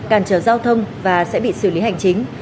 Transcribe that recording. cản trở giao thông và sẽ bị xử lý hành chính